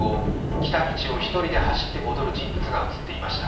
来た道を１人で走って戻る人物が映っていました。